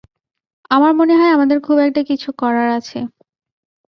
আমার মনে হয় না, আমাদের খুব একটা কিছু করার আছে।